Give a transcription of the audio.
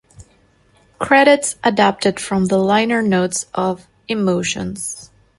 Credits adapted from the liner notes of "Emotions".